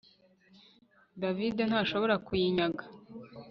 David ntashobora kuyinyaga